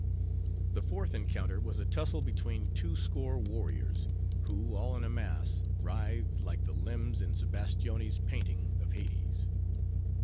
The fourth encounter was a tussle between two score warriors, who all in a mass, writhed like the limbs in Sebastioni's painting of Hades.